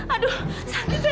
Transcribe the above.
aduh sakit ya